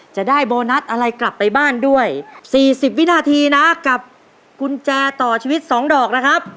จะได้โบนัสอะไรกลับไปบ้านด้วย๔๐วินาทีนะกับกุญแจต่อชีวิต๒ดอกนะครับ